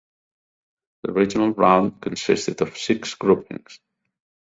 The regional round consisted of six groupings.